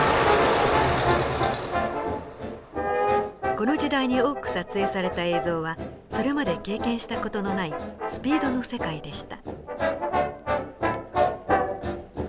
この時代に多く撮影された映像はそれまで経験した事のないスピードの世界でした。